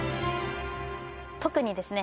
特にですね